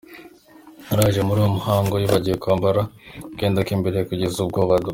yaraje muri uyu muhango yibagiwe kwambara akenda kimbere kugeza ubwo ba.